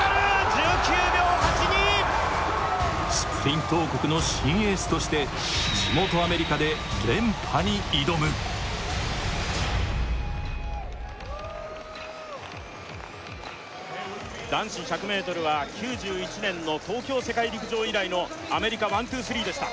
１９秒８２スプリント王国の新エースとして地元アメリカで連覇に挑む男子１００ｍは９１年の東京世界陸上以来のアメリカワンツースリーでした